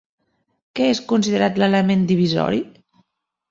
Què és considerat l'element divisori?